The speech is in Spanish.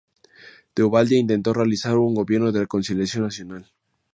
De Obaldía intentó realizar un gobierno de conciliación nacional.